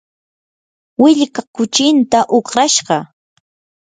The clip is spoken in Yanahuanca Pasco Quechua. willkaa kuchinta uqrashqa.